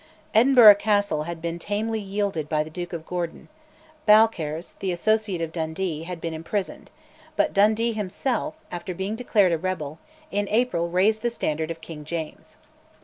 Edinburgh Castle had been tamely yielded by the Duke of Gordon; Balcarres, the associate of Dundee, had been imprisoned; but Dundee himself, after being declared a rebel, in April raised the standard of King James.